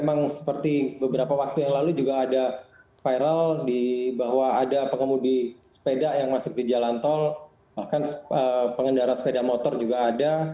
jadi beberapa waktu yang lalu juga ada viral bahwa ada pengemudi sepeda yang masuk di jalan tol bahkan pengendara sepeda motor juga ada